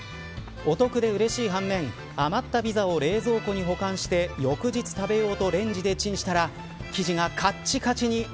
お得でうれしい反面余ったピザを冷蔵庫に保管して翌日食べようとレンジでチンしたら生地がかっちかちに。